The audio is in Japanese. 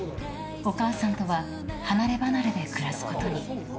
お母さんとは離ればなれで暮らすことに。